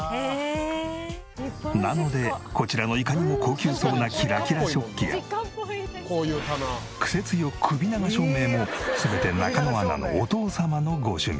なのでこちらのいかにも高級そうなキラキラ食器やクセ強くび長照明も全て中野アナのお父様のご趣味。